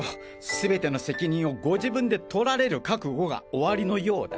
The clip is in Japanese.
全ての責任をご自分で取られる覚悟がおありのようだ。